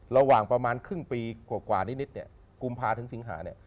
ระหว่างประมาณครึ่งปีกว่านิดกุมภาพันธ์ถึงสิงหาพันธ์